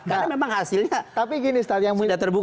karena memang hasilnya sudah terbukti